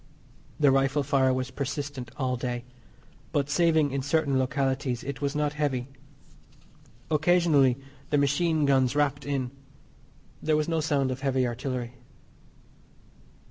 The rifle fire was persistent all day, but, saving in certain localities, it was not heavy. Occasionally the machine guns rapped in. There was no sound of heavy artillery.